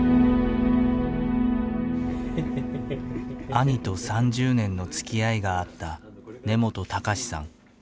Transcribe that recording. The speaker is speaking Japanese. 兄と３０年のつきあいがあった根本敬さん。